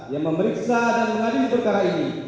yang memeriksa dan mengadili perkara ini